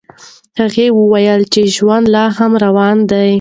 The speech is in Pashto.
هغې وویل چې ژوند لا هم روان دی.